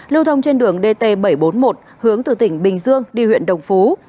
lưu thông trên đường dt bảy trăm bốn mươi một hướng từ tỉnh bình dương đi huyện đồng phú